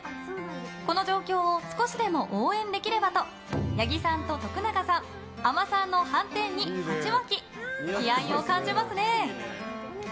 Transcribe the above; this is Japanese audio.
この状況を少しでも応援できればと八木さんと徳永さん海女さんのはんてんに鉢巻。